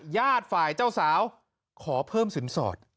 ญาติฝ่ายเจ้าสาวขอเพิ่มสินสอด